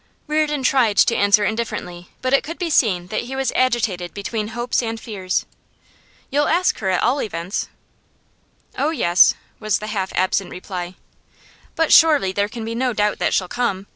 Reardon tried to answer indifferently, but it could be seen that he was agitated between hopes and fears. 'You'll ask her, at all events?' 'Oh yes,' was the half absent reply. 'But surely there can be no doubt that she'll come.